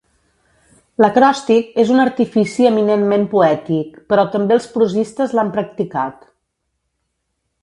L'acròstic és un artifici eminentment poètic, però també els prosistes l'han practicat.